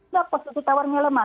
nah posisi tawarnya lemah